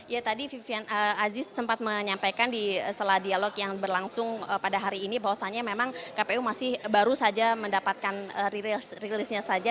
ya tadi vivian aziz sempat menyampaikan di sela dialog yang berlangsung pada hari ini bahwasannya memang kpu masih baru saja mendapatkan rilisnya saja